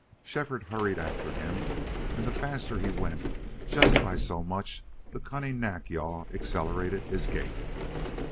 Shefford hurried after him, and the faster he went just by so much the cunning Nack yal accelerated his gait.